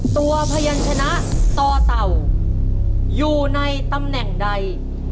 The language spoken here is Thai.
พยานชนะต่อเต่าอยู่ในตำแหน่งใด